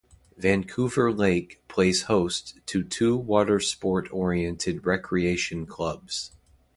Vancouver Lake plays host to two water sport oriented recreation clubs.